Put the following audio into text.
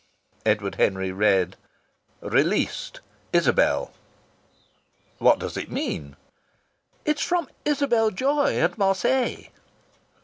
Edward Henry read: "Released. Isabel." "What does it mean?" "It's from Isabel Joy at Marseilles."